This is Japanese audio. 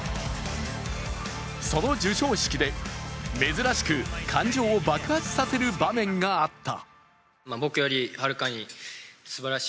その授賞式で珍しく感情を爆発させる場面があった。